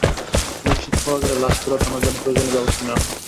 নিশ্চিত হওয়া গেলে লাশ ফেরত আনার জন্য প্রয়োজনীয় ব্যবস্থা নেওয়া হবে।